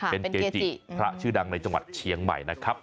เป็นเกจิพระชื่อดังในจังหวัดเชียงใหม่นะครับ